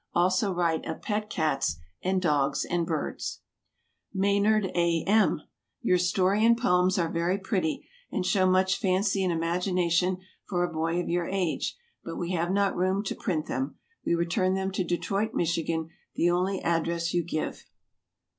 also write of pet cats and dogs and birds. MAYNARD A. M. Your story and poems are very pretty, and show much fancy and imagination for a boy of your age, but we have not room to print them. We return them to Detroit, Michigan, the only address you give.